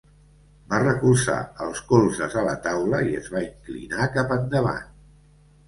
Va recolzar els colzes a la taula i es va inclinar cap endavant.